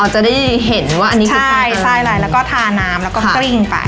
ใช่แล้วก็ทาน้ำแล้วก็กริ้งไป